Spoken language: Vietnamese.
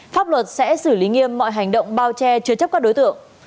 pháp luật sẽ xử lý nghiêm mọi hành động bao che chứa chấp các đối tượng